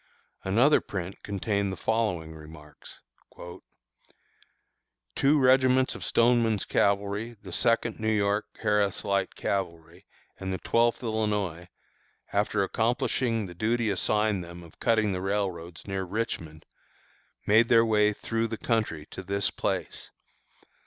Another print contained the following remarks: Two regiments of Stoneman's Cavalry, the Second New York (Harris Light Cavalry) and the Twelfth Illinois, after accomplishing the duty assigned them of cutting the railroads near Richmond, made their way through the country to this place.